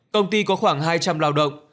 công ty có khoảng hai trăm linh lao động